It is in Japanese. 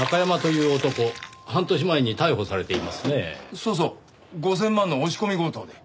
そうそう５０００万の押し込み強盗で。